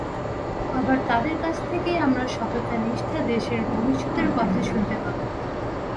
আবার তাঁদের কাছ থেকেই আমরা সততা, নিষ্ঠা, দেশের ভবিষ্যতের কথা শুনতে পাব।